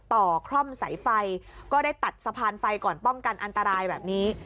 คล่อมสายไฟก็ได้ตัดสะพานไฟก่อนป้องกันอันตรายแบบนี้